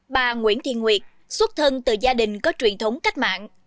bà nguyễn thị nguyệt xuất thân từ gia đình có truyền thống cách mạng